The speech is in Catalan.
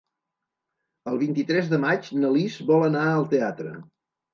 El vint-i-tres de maig na Lis vol anar al teatre.